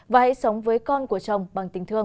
và hãy sống với con của chồng bằng tình thương